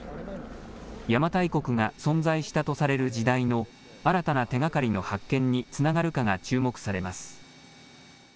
邪馬台国が存在したとされる時代の新たな手がかりの発見につながるかが注目されます。